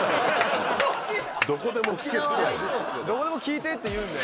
「どこでも聞いて」って言うんで。